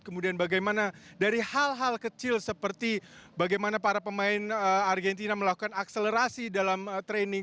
kemudian bagaimana dari hal hal kecil seperti bagaimana para pemain argentina melakukan akselerasi dalam training